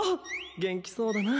元気そうだな。